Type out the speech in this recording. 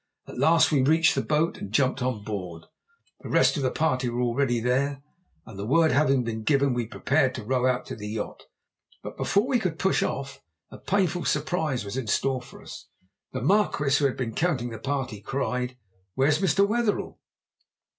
At last we reached the boat and jumped on board. The rest of the party were already there, and the word being given we prepared to row out to the yacht. But before we could push off a painful surprise was in store for us. The Marquis, who had been counting the party, cried: "_Where is Mr. Wetherell?